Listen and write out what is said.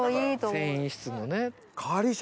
繊維質のね。